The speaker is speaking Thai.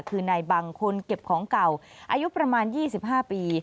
คือนายบังคนเก็บของเก่าอายุประมาณ๒๕ปี